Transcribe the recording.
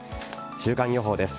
週間予報です。